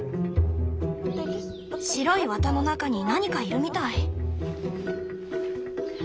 白い綿の中に何かいるみたい。